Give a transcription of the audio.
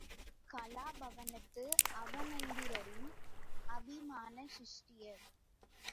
கலாபவனத்து அவனிந்திரரின் அபிமான சிஷ்யர்.